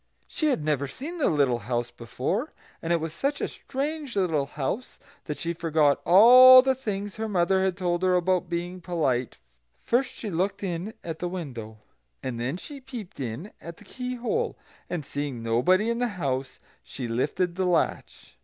She had never seen the little house before, and it was such a strange little house that she forgot all the things her mother had told her about being polite: first she looked in at the window, and then she peeped in at the keyhole; and seeing nobody in the house, she lifted the latch.